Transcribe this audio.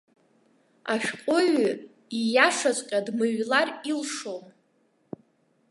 Ашәҟәыҩҩы иашаҵәҟьа дмыҩлар илшом.